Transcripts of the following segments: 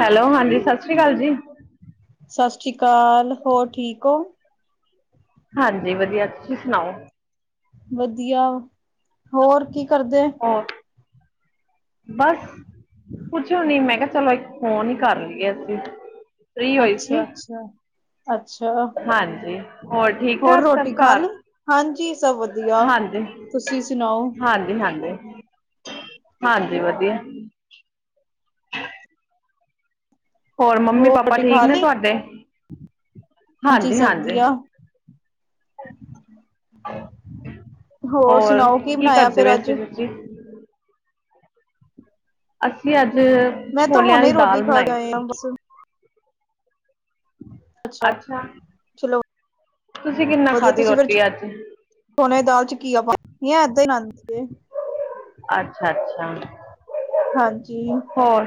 Hello, ਹਾਂਜੀ ਸਤ ਸ੍ਰੀ ਅਕਾਲ ਜੀ। ਸਤਿ ਸ੍ਰੀ ਅਕਾਲ ਹੋਰ ਠੀਕ ਹੋ। ਹਾਂਜੀ ਵਧੀਆ ਤੁਸੀਂ ਸੁਣਾਓ। ਵਧੀਆ ਹੋਰ ਕੀ ਕਰਦੇ। ਹੋਰ, ਬਸ ਕੁਛ ਨੀ ਮੈਂ ਕਿਹਾ ਚਲੋ ਇੱਕ ਫੋਨ ਹੀ ਕਰ ਲਈਏ ਅਸੀਂ। ਫ੍ਰੀ ਹੋਈ ਸੀ, ਅੱਛਾ ਅੱਛਾ। ਅੱਛਾ ਹਾਂਜੀ ਹੋਰ ਠੀਕ ਹੋਰ ਠਾਕ ਰੋਟੀ ਸਭ ਖਾ ਘਰ। ਲਈ? ਹਾਂਜੀ ਸਭ ਵਧੀਆ ਹਾਂਜੀ ਤੁਸੀਂ ਸੁਣਾਓ। ਹਾਂਜੀ -ਹਾਂਜੀ, ਹਾਂਜੀ ਵਧੀਆ। ਹੋਰ ਮੰਮੀ ਪਾਪਾ ਰੋਟੀ ਠੀਕ ਖਾ ਨੇ ਲਈ? ਤੁਹਾਡੇ। ਹਾਂਜੀ ਸਭ ਵਧੀਆ। ਹੋਰ ਸਣਾਓ, ਕੀ ਬਣਿਆ ਕਰਦੇ ਫੇਰ ਪਏ ਅੱਜ। ਸੀ ਤੁਸੀਂ ਅਸੀਂ ਅੱਜ ਮੈਂ ਤਾਂ ਛੋਲਿਆਂ ਹੁਣੇ ਦੀ ਰੋਟੀ ਦਾਲ ਖਾ ਕੇ ਬਣਾਈ ਆਏ ਸੀ। ਆ ਬਸ ਹੁਣ। ਅੱਛਾ। ਚਲੋ ਤੁਸੀਂ ਕਿੰਨਾ ਖਾਂਦੀ ਰੋਟੀ ਅੱਜ। ਚਣਿਆ ਦਾਲ ਚ ਘੀਆ ਪਾਨੀ ਆ ਐਦਾਂ ਈ [unintelligible] ਏ। ਅੱਛਾ- ਅੱਛਾ। ਹਾਂਜੀ। ਹੋਰ।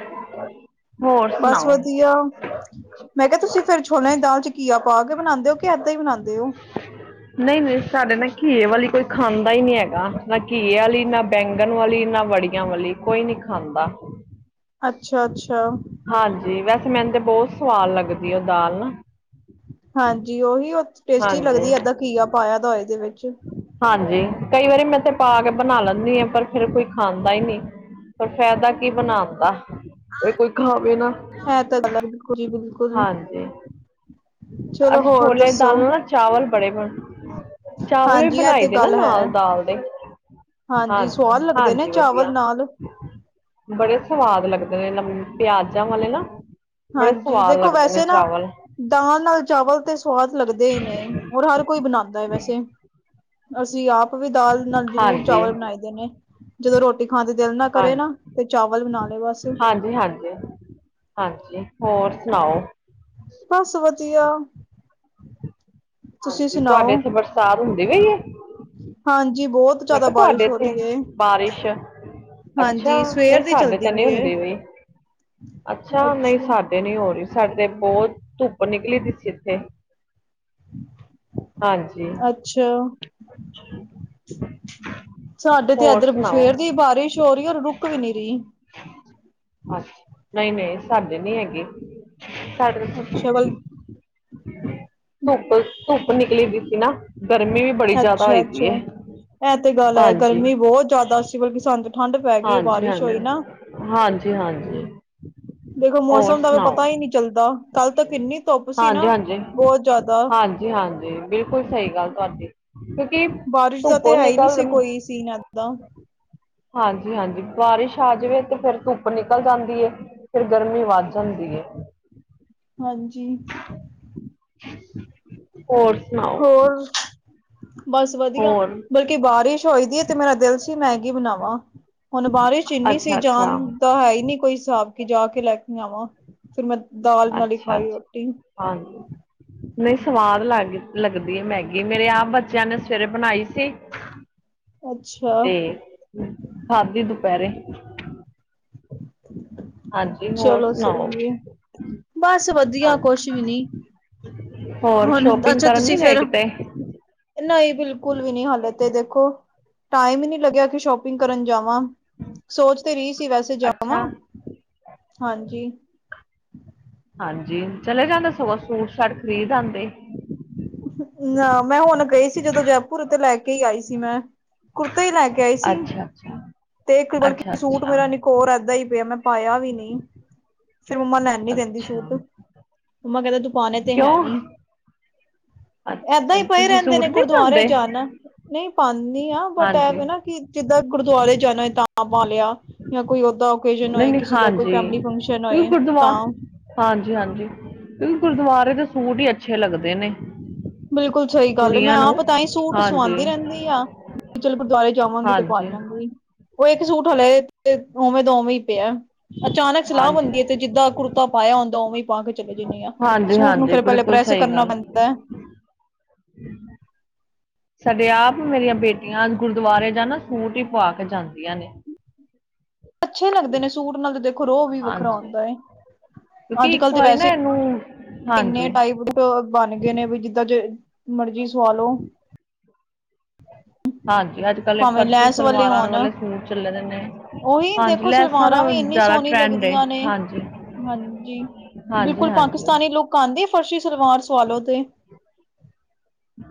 ਹੋਰ ਬਸ ਸੁਣਾਓ ਵਧੀਆ, ਮੈਂ ਕਿਹਾ ਤੁਸੀਂ ਫੇਰ ਛੋਲਿਆਂ ਦੀ ਦਾਲ 'ਚ ਘੀਏ ਪਾ ਕੇ ਬਣਾਉਂਦੇ ਓ ਕੇ, ਐਦਾਂ ਈ ਬਣਾਉਂਦੇ ਓ। ਨਹੀਂ-ਨਹੀਂ ਸਾਡੇ ਨਾ ਘੀਏ ਵਾਲੀ ਕੋਈ ਖਾਂਦਾ ਈ ਨੀ ਹੈਗਾ, ਨਾ ਘੀਏ ਵਾਲੀ ਨਾ ਬੈਂਗਣ ਵਾਲੀ, ਨਾ ਵੜੀਆਂ ਵਾਲੀ ਕੋਈ ਨੀ ਖਾਂਦਾ। ਅੱਛਾ-ਅੱਛਾ। ਹਾਂਜੀ ਵੈਸੇ ਮੈਨੂੰ ਤੇ ਬਹੁਤ ਸਵਾਦ ਲੱਗਦੀ, ਉਹ ਦਾਲ ਨਾ ਹਾਂਜੀ ਓਹੀ ਓ ਟੇਸਟੀ ਹਾਂਜੀ ਲੱਗਦੀ ਐ, ਐਦਾਂ ਘੀਆ ਪਾਇਆਂ ਦਾ ਇਹਦੇ ਵਿੱਚ। ਹਾਂਜੀ, ਕਈ ਵਾਰੀ ਮੈਂ ਤੇ ਪਾ ਕੇ ਬਣਾ ਲੇਨੀ ਆ, ਪਰ ਫੇਰ ਕੋਈ ਖਾਂਦਾ ਹੀ ਨਈ। ਫੇਰ ਫੈਦਾ ਕੀ ਬਣਾਣ ਦਾ। ਤੇ ਕੋਈ ਖਾਵੇ ਨਾ, ਇਹ ਤਾਂ ਗੱਲ ਹੈ ਬਿਲਕੁਲ ਜੀ ਬਿਲਕੁਲ ਹਾਂਜੀ। ਚਲੋ ਅਸੀਂ ਹੋਰ ਛੋਲੇ ਦੱਸੋ? ਦਾਲ ਨਾਲ ਨਾ ਚਾਵਲ ਬੜੇ ਬਣ ਚਾਵਲ ਵੀ ਹਾਂਜੀ ਇਹ ਬਣਾਏ ਤੇ ਹੇਗੇ ਨਾ ਗੱਲ ਹੈ ਨਾਲ ਦਾਲ ਦੇ, ਹਾਂਜੀ ਸਵਾਦ ਲੱਗਦੇ ਨੇ ਹਾਂਜੀ-ਹਾਂਜੀ ਚਾਵਲ ਵਧੀਆ। ਨਾਲ। ਬੜੇ ਸਵਾਦ ਲੱਗਦੇ ਨੇ, ਲੰਮ ਪਿਆਜਾਂ ਵਾਲੇ ਨਾ। ਬੜੇ ਹਾਂਜੀ ਸਵਾਦ ਦੇਖੋ ਲੱਗਦੇ ਨੇ ਵੈਸੇ ਨਾ ਚਾਵਲ। ਦਾਲ ਨਾਲ ਚਾਵਲ ਤੇ ਸਵਾਦ ਲੱਗਦੇ ਈ ਨੇ, ਔਰ ਹਰ ਕੋਈ ਬਣਾਂਦਾ ਏਂ ਵੈਸੇ ਅਸੀਂ ਆਪ ਵੀ ਦਾਲ ਨਾਲ ਜ਼ਰੂਰ ਹਾਂਜੀ ਚਾਵਲ ਬਣਾਈ ਦੇ ਨੇ, ਜਦੋਂ ਰੋਟ ਰੋਟੀ ਖਾਣ ਦੇ ਦਿਲ ਨਾ ਕਰੇ, ਤੇ ਫੇਰ ਚਾਵਲ ਬਣਾ ਲਏ ਬਸ। ਉਹੀਂ ਹੈਗਾ, ਹਾਂਜੀ ਹੋਰ ਸੁਣਾਓ। ਬਸ ਵਧੀਆ। ਤੁਸੀਂ ਹਾਂਜੀ, ਤੁਹਾਡੇ ਸੁਣਾਓ? ਏਥੇ ਬਰਸਾਤ ਹੁੰਦੀ ਪਈ ਏ। ਹਾਂਜੀ, ਬਹੁਤ ਮੈਂ ਜ਼ਿਆਦਾ ਕਿਹਾ ਤੁਹਾਡੇ ਬਾਰਿਸ਼ ਹੋ ਇੱਥੇ ਰਹੀ ਹੈ। ਬਾਰਿਸ਼। ਅੱਛਾ ਹਾਂਜੀ ਨਹੀਂ ਸਵੇਰ ਦੀ ਸਾਡੇ ਚਲਦੀ ਤਾ ਨੀ ਪਈ ਏ। ਹੁੰਦੀਂ ਵਈ, ਅੱਛਾ ਨਹੀਂ ਸਾਡੇ ਨੀ ਹੋ ਰੀ, ਸਾਡੇ ਬਹੁਤ ਧੁੱਪ ਨਿਕਲੀ ਦੀ ਸੀ ਏਥੇ। ਹਾਂਜੀ ਅੱਛਾ। ਸਾਡੇ ਤੇ ਹੋਰ ਇੱਧਰ ਸੁਣਾਓ ਸਵੇਰ ਦੀ ਬਾਰਿਸ਼ ਹੋ ਰੀ, ਔਰ ਰੁੱਕ ਵੀ ਨੀ ਰਈ। ਅੱ ਨਈ- ਨਈ ਸਾਡੇ ਨੀਂ ਹੈਗੀ। ਸਾਡੇ ਅੱਛਾ ਬਲ ਤ ਧੁੱਪ-ਧੁੱਪ ਨਿਕਲੀ ਵਈ ਸੀ ਨਾ। ਗਰਮੀ ਵੀ ਬ ਅੱਛਾ-ਅੱਛਾ ਐਹ ਤੇ ਗੱਲ ਹੈ, ਹਾਂਜੀ ਗਰਮੀ ਜ਼ਿਆਦਾ ਸੀ ਬਲਕ ਸਾਨੂੰ ਤਾਂ ਠੰਡ ਪੈ ਗਈ, ਹਾਂਜੀ ਬਾਰਿਸ਼ ਹੋਈ ਹਾਂਜੀ ਨਾ। ਹਾਂਜੀ ਹਾਂਜੀ ਦੇਖੋ ਹੋਰ ਮੌਸਮ ਦਾ ਕੋਈ ਸੁਣਾਓ ਪਤਾ ਈ ਨਈ। ਚੱਲਦਾ, ਕੱਲ ਤੱਕ ਕਿੰਨੀ ਧੁੱਪ ਸੀ ਨਾ ਬਹੁਤ ਜ਼ਾਆਦਾ। ਤੇ ਹਾਂਜੀ ਬਿਲਕੁ ਬਿਲਕੁਲ ਸਹੀ ਗੱਲ ਤੁਹਾਡੀ, ਕਿਉਂਕਿ ਬਾਰਿਸ਼ ਦਾ ਤੇ ਧੁੱਪੋ ਹੈ ਹੀ ਨਹੀਂ ਨਿਕਲ ਸੀ ਕੋਈ ਸੀਨ ਏਦਾਂ ਹਾਂਜੀ-ਹਾਂਜੀ ਬਾਰਿਸ਼ ਆ ਜਾਵੇ ਤੇ ਫੇਰ ਧੁੱਪ ਨਿਕਲ ਜਾਂਦੀ ਏ। ਫੇਰ ਗਰਮੀ ਵੱਧ ਜਾਂਦੀ ਏ। ਹਾਂਜੀ। ਔਰ ਸੁਣਾਓ? ਹੋਰ ਬਸ ਵਧੀਆ ਹੋਰ ਬਲਕਿ ਬਾਰਿਸ਼ ਹੋਈ ਦੀ ਏ ਤੇ ਮੇਰਾ ਦਿਲ ਸੀ ਮੈਗੀ ਬਣਾਵਾਂ। ਹੁਣ ਬਾਰਿਸ਼ ਇੰਨੀ ਸੀ ਅੱਛਾ ਜਾਨ ਅੱਛਾ ਤਾਂ ਹੈ ਈ ਨੀ ਕੋਈ ਹਿਸਾਬ ਕਿ ਜਾ ਕੇ ਲੈ ਕੇ ਆਵਾਂ, ਫਿਰ ਮੈਂ ਦਾਲ ਨਾਲ ਈ ਅੱਛਾ ਖਾਈ ਰੋਟੀ। ਹਾਂਜੀ। ਨਈ ਸਵਾਦ ਲੱਗ ਲੱਗਦੀ ਏ ਮੈਗੀ ਮੇਰੇ ਆਪ ਬੱਚਿਆਂ ਨੇ ਸਵੇਰੇ ਬਣਾਈ ਸੀ ਅੱਛਾ ਤੇ ਖਾਂਦੀ ਦੁਪੈਰੇ। ਹਾਂਜੀ ਹੋਰ ਚਲੋ ਸੁਣਾਓ, ਸਹੀ ਹੈ। ਬਸ ਵਧੀਆ ਕੁਛ ਵੀ ਹਾਂਜੀ। ਨੀ ਹੋਰ ਹੁਣ ਸ਼ੋਪਿੰਗ ਕਰਨ ਨੀ ਗਏ ਕਿਤੇ? ਨਈ ਬਿਲਕੁੱਲ ਵੀ ਨੀ ਹਲੇ ਤੇ ਦੇਖੋ ਟਾਈਮ ਈ ਨੀ ਲੱਗਿਆ ਕਿ ਸ਼ੋਪਿੰਗ ਕਰਨ ਜਾਵਾਂ। ਸੋਚ ਤੇ ਰੀ ਸੀ ਵੈਸੇ ਜਾਵਾਂ, ਅੱਛਾ ਹਾਂਜੀ। ਹਾਂਜੀ ਚਲੇ ਜਾਂਦੇ ਸਗੋਂ ਸੂਟ ਸਾਟ ਖ਼ਰੀਦ ਆਂਦੇ। ਨਾ ਮੈਂ ਹੁਣ ਗਈ ਸੀ ਜਦੋਂ ਜੈਪੁਰ ਤੇ ਲੈ ਕੇ ਈ ਆਈ ਸੀ ਮੈਂ। ਕੁੁਰਤੇ ਈ ਲੈ ਕੇ ਆਈ ਸੀ ਅੱਛਾ ਅੱਛਾ 'ਤੇ ਇੱਕ ਅੱਛਾ ਬਲਕਿ ਸੂਟ ਅੱਛਾ ਮੇਰਾ ਨਿਕ ਹੋਰ ਐਦਾਂ ਈ ਪਿਆ ਮੈਂ ਪਾਇਆ ਵੀ ਨੀ, ਫਿਰ ਮੰਮਾ ਲੈਣ ਨੀ ਦਿੰਦੀ ਅੱਛਾ ਸੂਟ। ਮੰਮਾ ਕੈਂਦੇ ਤੂੰ ਪਾਣੇ ਤੇ ਹੈ ਕਿਉਂ ਨੀ। ਅੱਛਾ ਐਦਾਂ ਅੱਛਾ ਈ ਪਏ ਤੁਸੀਂ ਰੈਂਦੇ ਸੂਟ ਨੇ ਨਹੀਂ ਗੁਰਦੁਆਰੇ ਪਾਉਂਦੇ ਜਾਣਾ, ਨਈ ਪਾਨੀ ਆ ਬਟ ਐ ਹਾਂਜੀ ਵੇ ਨਾ ਕਿ ਜਿੱਦਾਂ ਗੁਰਦੁਆਰੇ ਜਾਣਾ ਏ ਤਾਂ ਪਾ ਲਿਆ ਜਾਂ ਕੋਈ ਉਦਾਂ ਓਕੇਜਨ ਨਹੀਂ ਹੋਏ ਨਹੀਂ ਕਿਸੀ ਦਾ ਕੋਈ ਹਾਂਜੀ ਫੈਮਿਲੀ ਫੰਕਸ਼ਨ ਹੋਏ ਤਾਂ। ਹਾਂਜੀ-ਹਾਂਜੀ ਕਿਉਂਕਿ ਗੁਰਦੁਆਰੇ ਦੇ ਸੂਟ ਈ ਅੱਛੇ ਲੱਗਦੇ ਨੇ। ਬਿਲਕੁੱਲ ਸਈ ਗੱਲ ਏ ਮੈਂ ਕੁੜੀਆਂ ਨੂੰ ਆਪ ਤਾਂ ਈ ਸੂਟ ਹਾਂਜੀ ਸਵਾਂਦੀ ਰੈਂਦੀ ਆ। ਚੱਲ ਗੁਰਦੁਆਰੇ ਜਾਵਾਂਗੀ ਤੇ ਪਾ ਹਾਂਜੀ ਜਾਗੀ। ਓ ਇੱਕ ਸੂਟ ਹਲੇ ਉਵੇਂ ਦਾ ਉਵੇਂ ਈ ਪਿਆ ਅਚਾਨਕ ਸਲਾਅ ਹਾਂਜੀ ਬਣਦੀ ਤੇ ਜਿੱਦਾਂ ਕੁੜਤਾ ਪਾਇਆ ਹੁੰਦਾ ਉਵੇਂ ਈ ਪਾ ਕੇ ਚਲੇ ਜਾਂਨੀ ਆ, ਹਾਂਜੀ ਸੂਟ ਨੂੰ ਹਾਂਜੀ ਫਿਰ ਪੈਲੇ ਬਿਲਕੁਲ ਪ੍ਰੈਸ ਸਹੀ ਕਰਨਾ ਗੱਲ ਪੈਂਦਾ ਐ। ਸਾਡੇ ਆਪ ਮੇਰੀਆਂ ਬੇਟੀਆਂ ਗੁਰਦੁਆਰੇ ਜਾਣਾ ਸੂਟ ਈ ਪਾ ਕੇ ਜਾਂਦੀਆਂ ਨੇ। [inaudible] ਅੱਛੇ ਲੱਗਦੇ ਨੇ ਸੂਟ ਨਾਲੇ ਦੇਖੋ ਰੋਵ ਵੀ ਵੱਖਰਾ ਹਾਂਜੀ ਹੁੰਦਾ ਏ। ਕਿਉਂਕਿ ਅੱਜ ਇੱਕ ਕੱਲ ਤੇ ਵਾਰੀ ਨਾ ਵੈਸੇ ਏਨੂੰ। ਇੰਨੇ ਟਾਈਪ ਟ ਬਣ ਗਏ ਨੇ ਵੀ ਜਿੱਦਾਂ ਜੇ ਮਰਜ਼ੀ ਸਵਾ ਲੋ। ਹਾਂਜੀ ਅੱਜ-ਕੱਲ ਏ ਭਾਵੇਂ ਫਰਸ਼ੀ ਲੈਸ ਸਲਵਾਰਾਂ ਹੋਣ। ਵਾਲੇ ਸੂਟ ਚੱਲੇ ਦੇ ਨੇ। ਉਹੀ ਹਾਂਜੀ ਦੇਖੋ ਲੈਸਾਂ ਸਲਵਾਰਾਂ ਨਾਲ ਵੀ ਇੰਨੀ ਜਿਆਦਾ ਸੋਹਣੀ ਟਰੈਂਡ ਏ ਲੱਗਦੀਆਂ ਨੇ। ਹਾਂਜੀ। ਹਾਂਜੀ ਹਾਂਜੀ ਬਿਲਕੁੱਲ ਹਾਂਜੀ ਪਾਕਿਸਤਾਨੀ ਲੂਕ ਆਂਦੀ ਐ ਫਰਸ਼ੀ ਸਲਵਾਰ ਸਵਾਲੋ ਤੇ।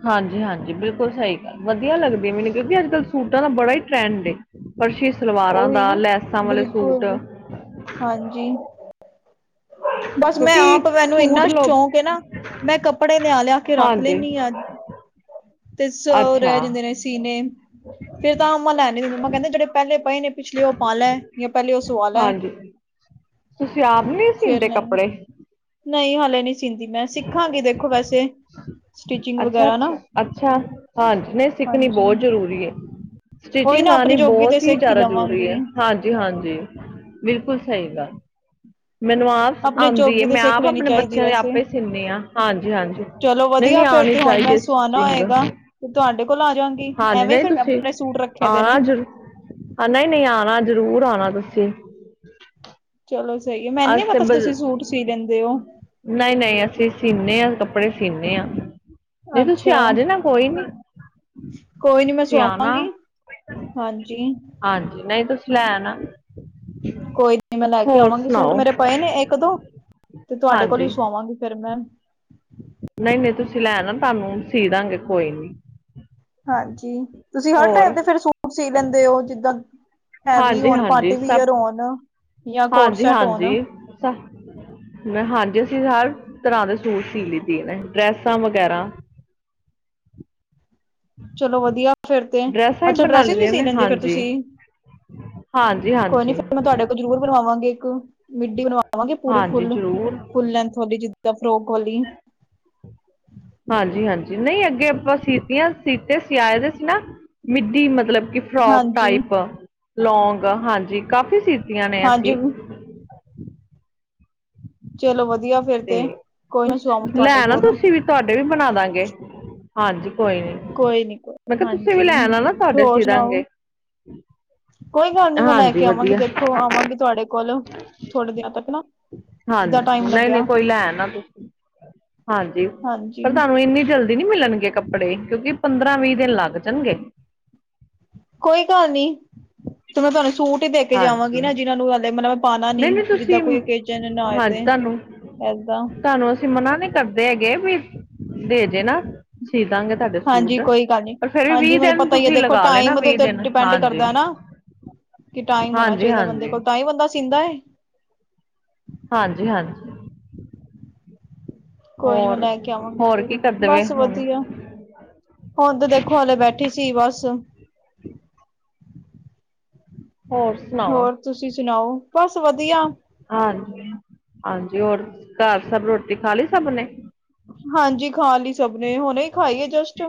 ਹਾਂਜੀ-ਹਾਂਜੀ ਬਿਲਕੁੱਲ ਸਈ ਗੱਲ ਵਧੀਆ ਲੱਗਦੀ ਏ ਮੈਨੂੰ ਕਿਉਂਕਿ ਅੱਜ-ਕੱਲ ਸੂਟਾਂ ਦਾ ਬੜਾ ਈ ਟਰੈਂਡ ਏ। ਫਰਸ਼ੀ ਸਲਵਾਰਾ ਉਹੀ ਦਾ, ਨਾ, ਲੈਸਾਂ ਵਾਲੇ ਸੂਟ। ਬਿਲਕੁਲ। ਹਾਂਜੀ। ਬਸ ਮੈਂ ਕਿਉਂਕਿ ਆਪ ਮੈਨੂੰ ਸੂਟ ਇੰਨਾ ਲੋ ਸ਼ੌਕ ਏ ਨਾ ਮੈਂ ਕੱਪੜੇ ਲਿਆ-ਲਿਆ ਕੇ ਰੱਖ ਹਾਂਜੀ ਲੈਂਨੀ ਆ 'ਤੇ ਸ ਓ ਅੱਛਾ ਰੈ ਜਾਂਦੇ ਨੇ ਤੀਨੇ। ਫੇਰ ਤਾਂ ਮੰਮਾ ਲੈਂ ਨੀ ਦਿੰਦੇ ਮੰਮਾ ਕੈਂਦੇ ਜੇੜੇ ਪੈਲੇ ਪਏ ਨੇ ਪਿਛਲੇ ਓ ਪਾ ਲੈ ਜਾਂ ਪੈਲੇ ਓ ਸਵਾ ਲੈ। ਹਾਂਜੀ ਤੁਸੀਂ ਆਪ ਨੀ ਫੇਰ ਲਈ, ਨਈ ਹਲੇ ਨੀ ਸਿੰਦੀ ਮੈਂ ਸਿੱਖਾਂਗੀ ਦੇਖੋ ਵੈਸੇ, ਸਟਿਚਿੰਗ ਅੱਛਾ ਵਗੈਰਾ ਨਾ। ਅੱਛਾ ਅੱਛਾ ਹਾਂਜੀ ਨਹੀਂ ਸਿੱਖਣੀ ਹਾਂਜੀ। ਬਹੁਤ ਜ਼ਰੂਰੀ ਏ। ਉਹੀ ਸਟਿਚਿੰਗ ਨਾ ਆਪਣੇ ਆਣੀ ਜੋਗੀ ਤੇ ਬਹੁਤ ਹੀ ਸਿੱਖ ਜ਼ਿਆਦਾ ਜ਼ਰੂਰੀ ਲਵਾਂਗੀ, ਹੈ ਹਾਂਜੀ। ਹਾਂਜੀ-ਹਾਂਜੀ ਬਿਲਕੁਲ ਸਹੀ ਗੱਲ ਮੈਨੂੰ ਆਪ ਆਪਣੇ ਆਉਂਦੀ ਜੋਗੀ ਤੇ ਮੈਂ ਸਿੱਖ ਆਪ ਲੈਣੀ ਆਪਣੇ ਚਾਹੀਦੀ ਬੱਚਿਆਂ ਦੇ ਵੈਸੇ। ਆਪੇ ਸਿਉਂਦੀ ਆ ਹਾਂਜੀ-ਹਾਂਜੀ ਚਲੋ ਨਹੀਂ- ਨਹੀਂ ਵਧੀਆ ਫੇਰ ਆਉਣੀ ਤੇ ਹੁਣ ਚਾਹੀਦੀ ਮੈਂ ਏ ਸੁਆਣਾ ਹੋਏਗਾ ਸਟਚਿੰਗ। ਤੇ ਤੁਹਾਡੇ ਕੋਲ ਆ ਜਾਗੀ ਐਵੇਂ ਫ਼ਿਰ ਮੈ ਤੁਸੀਂ ਆਪਣੇ ਸੂਟ ਰੱਖੇ ਦੇ ਆਉਣਾ ਨੇ ਜ਼ਰੂਰ ਹਾਂ ਨਹੀਂ-ਨਹੀਂ ਆਣਾ ਜ਼ਰੂਰ ਆਉਣਾ ਤੁਸੀਂ। ਚਲੋ ਸਹੀ ਹੈ ਮੈਨੂੰ ਨੀ ਪਤਾ ਤੁਸੀਂ ਸੂਟ ਸੀ ਦਿੰਦੇ ਹੋ। ਨਹੀਂ-ਨਹੀਂ ਅਸੀਂ ਸੀਨੇ ਆ ਹਾਂ ਕੱਪੜੇ ਸੀਂਨੇ ਆ। ਨਈ ਤੁਸੀਂ ਅੱਛਾ ਆ ਜਾਨਾ ਕੋਈ ਨੀ। ਕੋਈ ਨੀ ਮੈਂ ਤੁਸੀਂ ਆਣਾ ਸੁਆਵਾਂਗੀ। ਹਾਂਜੀ ਹਾਂਜੀ ਨਹੀਂ ਤੁਸੀਂ ਲੈ ਆਣਾ। ਕੋਈ ਨੀ ਮੈਂ ਲੈ ਕੇ ਹੋਰ ਆਵਾਂਗੀ। ਸੂਟ ਸੁਣਾਓ ਮੇਰੇ ਪਏ ਨੇ ਇੱਕ, ਦੋ ਤੇ ਤੁਹਾਡੇ ਕੋਲ ਹਾਂਜੀ ਹੀ ਸੁਵਾਵਾਂਗੀ ਫ਼ਿਰ ਮੈਂ ਨਹੀਂ-ਨਹੀਂ ਤੁਸੀਂ ਲੈ ਆਣਾ ਤੁਹਾਨੂੰ ਸੀ ਦਾਂਗੇ ਕੋਈ ਨੀ। ਹਾਂਜੀ। ਤੁਸੀਂ ਹਰ ਹੋਰ ਟਾਈਪ ਦੇ ਫਿਰ ਸੂਟ ਸੀ ਲੈਂਦੇ ਓ ਜਿੱਦਾਂ ਹੈਵੀ ਹਾਂਜੀ ਹੋਣ ਹਾਂਜੀ ਪਾਰਟੀ ਸਭ ਵੀਅਰ ਹੋਣ ਜਾਂ ਕੋਟ ਹਾਂਜੀ ਸੈਟ ਹੋਣ -ਹਾਂਜੀ। ਹਾਂਜੀ। ਅਸੀਂ ਹਰ ਤਰ੍ਹਾਂ ਦੇ ਸੂਟ ਸੀ ਲੈਂਦੀ ਮੈਂ ਡਰੈਸਾਂ ਵਗੈਰਾ ਚਲੋ ਵਧੀਆ। ਫਿਰ ਤੇ ਡਰੈਸਾਂ ਅੱਛਾ ਬਣਾ ਡਰੈਸਿਸ ਵੀ ਲਈਆਂ ਸੀ ਨੇ ਲੈਂਦੇ ਫਿਰ ਹਾਂਜੀ ਤੁਸੀਂ ਹਾਂਜੀ ਕੋਈ ਨੀ ਹਾਂਜੀ ਫਿਰ ਮੈਂ ਤੁਹਾਡੇ ਕੋਲ ਉਹ ਜਰੂਰ ਬਣਵਾਵਾਂਗੇ ਇੱਕ ਮਿਡੀ ਬਣਵਾਵਾਂਗੇ ਪੂਰੀ ਹਾਂਜੀ ਫੁੱਲ- ਜ਼ਰੂਰ ਫੁੱਲ ਲੈਂਥ ਵਾਲੀ ਜਿ ਦਾ ਫਰੋਕ ਵਾਲੀ ਹਾਂਜੀ- ਹਾਂਜੀ ਨਹੀਂ ਅੱਗੇ ਆਪਾਂ ਸੀਤੀਆਂ ਸੀਤੇ ਸਿ ਆਏ ਦੇ ਸੀ ਨਾ ਮਿੱਡੀ ਮਤਲਬ ਕਿ ਫਰੋਕ ਹਾਂਜੀ ਟਾਈਪ, ਲੋਂਗ, ਹਾਂਜੀ ਕਾਫੀ ਸੀ ਸੀਤੇ ਹਾਂਜੀ। [inaudible] ਚਲੋ ਵਧੀਆ ਫਿਰ ਤੇ ਕੋਈ ਨਾ ਸਵਾਵਾਂਗੀ ਲੈ ਤੁਹਾਡੇ ਆਨਾ ਕੋਲ ਤੁਸੀਂ ਵੀ ਤੁਹਾਡੇ ਵੀ ਬਣਾ ਦਾਂਗੇ। ਹਾਂ ਜੀ ਕੋਈ ਨੀ ਕੋਈ ਨੀ ਮੈਂ ਕੋਈ ਕਿਹਾ ਤੁਸੀਂ ਵੀ ਹਾਂਜੀ ਲੈ ਆਨਾਂ ਨਾ, ਤੁਹਾਡੇ ਹੋਰ ਸੀ ਸੁਣਾਓ ਦਾਗੇ। ਕੋਈ ਗੱਲ ਨੀ, ਮੈਂ ਲੈ ਕੇ ਆਵਾਂਗੀ ਦੇਖੋ ਆਵਾਂਗੀ ਤੁਹਾਡੇ ਕੋਲ ਥੋੜੇ ਦਿਨਾਂ ਤੱਕ ਨਾ ਹਾਂਜੀ। ਜਿੱਦਾਂ ਟਾਈਮ ਨਹੀਂ -ਨਹੀਂ ਲੱਗਿਆ ਕੋਈ ਲੈ ਆਨਾ ਤੁਸੀਂ, ਹਾਂਜੀ ਹਾਂਜੀ ਪਰ ਤੁਹਾਨੂੰ ਇੰਨੀ ਜਲਦੀ ਨੀ ਮਿਲਣਗੇ ਕੱਪੜੇ ਕਿਉਂਕਿ ਪੰਦਰਾਂ- ਵੀਹ ਦਿਨ ਲੱਗ ਜਾਣਗੇ। ਕੋਈ ਗੱਲ ਨੀ, ਤੇ ਮੈਂ ਤੁਹਾਨੂੰ ਸੂਟ ਹੀ ਦੇ ਕੇ ਜਾਵਾਂਗੀ ਨਾ ਜਿਹਨਾਂ ਨੂੰ ਹਲੇ ਮਤਲਬ ਮੈਂ ਪਾ ਕੇ ਨਹੀਂ- ਨਹੀਂ ਤੁਸੀਂ ਹਾਂਜੀ। ਤੁਹਾਨੂੰ ਏਦਾਂ -ਤੁਹਾਨੂੰ ਅਸੀਂ ਮਨਾ ਨਹੀਂ ਕਰਦੇ ਹੈਗੇ ਵੀ ਦੇ ਜਨਾ ਸੀ ਦਾਂਗੇ ਤੁਹਾਡੇ ਸੂਟ ਹਾਂਜੀ ਕੋਈ ਗੱਲ ਨੀ ਪਰ ਫਿਰ ਵੀ ਹਾਂਜੀ ਵੀਹ ਮੈਨੂੰ ਦਿਨ ਪਤਾ ਹੀ ਹੈ ਤੁਸੀਂ ਦੇਖੋ ਲਗਾ ਲੈਣਾ ਟਾਈਮ ਦੇ ਵੀਹ ਉੱਤੇ ਦਿਨ ਡਿਪੈਂਡ ਹਾਂਜੀ ਕਰਦਾ ਹ [inaudible] ਨਾ ਕਿ ਟਾਈਮ ਹੋਣਾ ਚਾਹੀਦਾ ਬੰਦੇ ਕੋਲ ਤਾਂ ਹੀ ਬੰਦਾ ਸੀਂਦਾ ਏ ਹਾਂਜੀ ਹਾਂਜੀ ਕੋਈ ਨੀ ਮੈਂ ਹੋਰ ਲੈ ਕੇ ਆਵਾਂਗੀ ਹੋਰ ਫਿਰ, ਕੀ ਕਰਦੇ ਪਏ ਬਸ ਹੁਣ ਵਧੀਆ ਹੁਣ ਤੇ ਦੇਖੋ ਹੇਲੇ ਬੈਠੇ ਉਠੀ ਸੀ ਬਸ ਹੋਰ ਸਣਾਉ ਹੋਰ ਤੁਸੀਂ ਸੁਣਾਓ, ਬਸ ਵਧੀਆ। ਹਾਂਜੀ- ਹਾਂਜੀ ਹੋਰ ਘਰ ਸਭ ਰੋਟੀ ਖਾ ਲਈ ਸਭ ਨੇ ਹਾਂਜੀ ਖਾ ਲਈ ਸਭ ਨੇ ਹੁਣੇ ਹੀ ਖਾਈ ਆ ਜਸਟ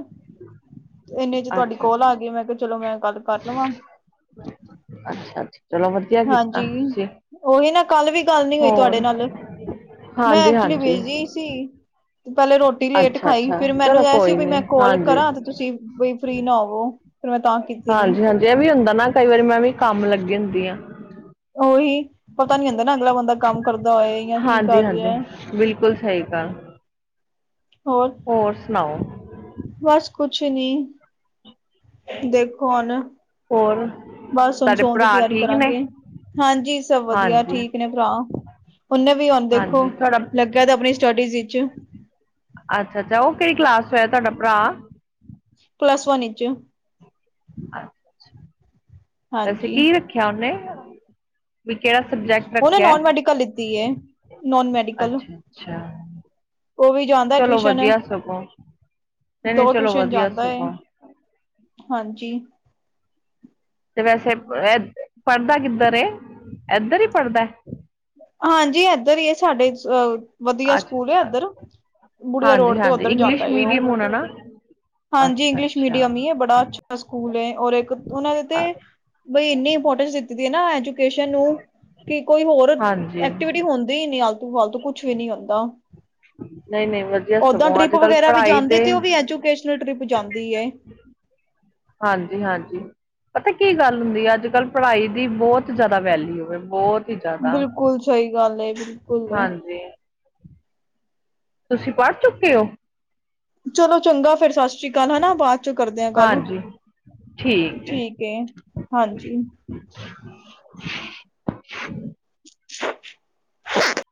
ਇੰਨੇ ਚ ਤੁਹਾਡੀ ਅੱਛਾ ਕੋਲ ਆ ਗਈ ਅੱਛਾ ਮੈਂ ਕਿਹਾ ਚਲੋ ਮੈਂ ਗੱਲ ਕਰ ਲਵਾਂ। ਅੱਛਾ ਜੀ। ਹਾਂਜੀ, ਓਈ ਨਾ ਕੱਲ ਵੀ ਗੱਲ ਨੀ ਹੋਈ ਤੁਆਡੇ ਹੋਰ ਨਾਲ। ਮੈਂ ਹਾਂਜੀ ਐਕਚੁਲੀ ਹਾਂਜੀ ਬੀਜੀ ਸੀ, ਤੇ ਪੈਲੇ ਰੋ ਰੋਟੀ ਲੇਟ ਅੱਛਾ ਖਾਈ ਅੱਛਾ ਫਿਰ ਮੈਨੂੰ ਚਲੋ ਐ ਸੀ ਕੋਈ ਵੀ ਨੀ ਮੈਂ ਕੋਲ ਹਾਂਜੀ ਕਰਾਂ ਤੇ ਤੁਸੀਂ ਵੀ ਫਰੀ ਨਾ ਹੋਵੋ। ਫਿਰ ਮੈਂ ਤਾਂ ਕੀਤੀ ਨੀ। ਜੇ ਵੀ ਹੁੰਦਾ ਨਾ ਕਈ ਵਾਰੀ ਮੈਂ ਵੀ ਕੰਮ ਲੱਗੀ ਹੁੰਦੀ ਆਂ। ਓਹੀ ਪਤਾ ਨੀ ਹੁੰਦਾ ਨਾ ਅਗਲਾ ਬੰਦਾ ਕੰਮ ਕਰਦਾ ਹੋਏ ਜਾਂ ਕੀ ਹਾਂਜੀ ਕਰ ਰਿਆ। ਹਾਂਜੀ ਬਿਲਕੁਲ ਸਈ ਗੱਲ। ਹੋਰ ਹੋਰ ਸੁਨਾਓ ਬਸ ਕੁਛ ਨੀ, ਦੇਖੋ ਹੁਨ ਹੋਰ ਬਸ ਹੁਨ ਤੁਹਾਡੇ ਸੋਨ ਦੀ ਭਰਾ ਤਿਆਰੀ ਠੀਕ ਨੇ ਕਰਾਂਗੇ, ਹਾਂਜੀ ਸਬ ਵਦੀਆ ਹਾਂਜੀ ਠੀਕ ਨੇ ਭਰਾ। ਓਨੇ ਵੀ ਹੁਨ ਦੇਖੋ, ਹਾਂਜੀ ਤੁਹਾਡਾ ਲੱਗੇਆ ਦਾ ਆਪਨੀ ਸਟੱਡੀਜ਼ ਵਿੱਚ। ਅੱਛਾ-ਅੱਛਾ ਓ ਕੇੜੀ ਕਲਾਸ ਚ ਹੋਏਆ ਤੁਆਡਾ ਭਰਾ। ਪਲੱਸ ਵੰਨ ਵਿਚ। ਅੱਛਾ। ਵੈਸੇ ਹਾਂਜੀ ਕੀ ਰੱਖੇਆ ਓਨੇ, ਵੀ ਕੇੜਾ ਸਬਜੈਕਟ ਉਹਨੇ ਰੱਖੇਆ। ਨੋਨ ਮੈਡੀਕਲ ਲਿੱਤੀ ਹੈ। ਅੱਛਾ-ਅੱਛਾ। ਓ ਵੀ ਜਾਂਦਾ ਟਵੀਸ਼ਨ, ਨਹੀਂ ਨਹੀਂ ਦੋ ਚਲੋ ਟੂਸ਼ਨ ਵਧੀਆ ਜਾਂਦਾ ਏ। ਸਗੋਂ ਹਾਂਜੀ ਤੇ ਵੈਸੇ ਐ ਪੜਦਾ ਕਿੱਦਰ ਏ, ਐਦਰ ਈ ਪੜ੍ਹਦਾ। ਹਾਂਜੀ ਐਦਰ ਈ ਐ ਸਾਡੇ ਅ ਵਦੀਆ ਅੱਛਾ ਸਕੂਲ ਆ ਅੱਛਾ ਐਦਰ। ਬੁੜੀਆ ਰੋਡ ਤੇ ਹਾਂਜੀ-ਹਾਂਜੀ ਓਦਰ ਜਾਂਦਾ ਇੰਗਲਿਸ਼ ਓ, ਮੀਡੀਅਮ ਹੋਣਾ ਨਾ ਹਾਂਜੀ ਇੰਗਲਿਸ਼ ਅੱਛਾ-ਅੱਛਾ ਮੀਡੀਅਮ ਈ ਏ ਬੜਾ ਅੱਛਾ ਸਕੂਲ ਐ ਔਰ ਇੱਕ ਓਨਾਂ ਦੇ ਤੇ ਬਈ ਇੰਨੀ ਇੰਪੋਟੈਂਸ ਦਿੱਤੀ ਦੀ ਐ ਨਾ ਐਜੂ ਕੇਸ਼ਨ ਨੂੰ ਕੇ ਕੋਈ ਹੋਰ ਹਾਂਜੀ ਜੇੜੀ ਹੁੰਦੀ ਈ ਨੀ ਆਲਤੂ ਫਾਲਤੂ ਕੁਛ ਵੀ ਨੀ ਹੁੰਦਾ। ਨਹੀਂ-ਨਹੀਂ ਵਧੀਆ ਓਦਾਂ ਸਗੋਂ ਟਰਿਪ ਅੱਜ ਕੱਲ੍ਹ ਵਗੈਰਾ ਵੀ ਪੜ੍ਹਾਈ ਜਾਂਦੀ ਤੇ ਓ ਵੀ ਐਜੂਕੇਸ਼ਨਲ ਟਰਿਪ ਜਾਂਦੀ ਐ। ਹਾਂਜੀ-ਹਾਂਜੀ। ਪਤਾ ਕੀ ਗੱਲ ਹੁੰਦੀ ਐ ਅੱਜ-ਕੱਲ ਪੜਾਈ ਦੀ ਬੋਤ ਜਾਦਾ ਵੈਲਿਊ ਐ ਬੋਤ ਈ ਜਾਦਾ, ਬਿਲਕੁਲ ਸਹੀ ਗੱਲ ਹੈ ਬਿਲਕੁਲ ਹਾਂਜੀ ਤੁਸੀਂ ਪੜ ਚੁੱਕੇ ਓਂ। ਚਲੋ ਚੰਗਾ ਫੇਰ ਸਸਰੀ ਕਾਲ ਹਨਾ ਬਾਦ ਚੋਂ ਕਰਦੇ ਆਂ ਕੱਲ। ਹਾਂਜੀ ਠੀਕ ਏ, ਹਾਂਜੀ। [inaudible] [inaudible]